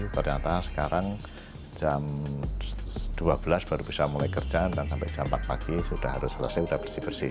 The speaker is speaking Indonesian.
ternyata sekarang jam dua belas baru bisa mulai kerjaan dan sampai jam empat pagi sudah harus selesai sudah bersih bersih